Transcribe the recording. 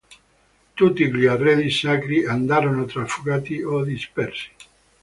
Tutti gli arredi sacri andarono trafugati o dispersi.